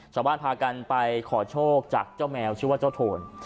ชาวบ้านพากันไปขอโชคจากเจ้าแมวชื่อว่าเจ้าโทน